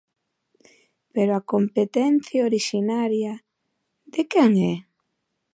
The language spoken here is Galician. Pero a competencia orixinaria ¿de quen é?